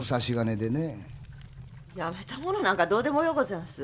辞めた者なんかどうでもようござんす。